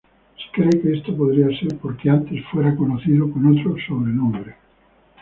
Se cree que esto podría ser porque antes fuera conocido con otro sobrenombre.